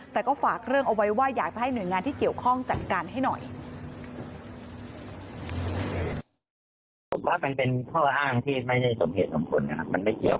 แต่ก็ฝากเรื่องเอาไว้ว่าอยากจะให้หน่วยงานที่เกี่ยวข้องจัดการให้หน่อย